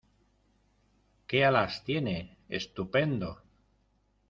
¡ Qué alas tiene! ¡ estupendo !